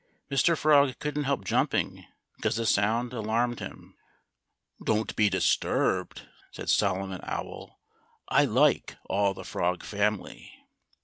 Mr. Frog couldn't help jumping, because the sound alarmed him. "Don't be disturbed!" said Solomon Owl. "I like all the Frog family."